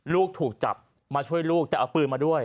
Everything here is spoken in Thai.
ลูกถูกจับมาช่วยลูกแต่เอาปืนมาด้วย